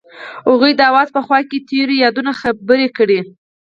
هغوی د اواز په خوا کې تیرو یادونو خبرې کړې.